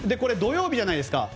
土曜日じゃないですか。